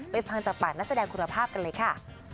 ฟังจากปากนักแสดงคุณภาพกันเลยค่ะ